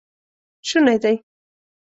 شونی دی